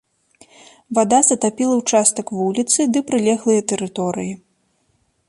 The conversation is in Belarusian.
Вада затапіла ўчастак вуліцы ды прылеглыя тэрыторыі.